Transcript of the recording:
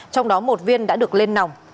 trong đó một viên đã được lên nòng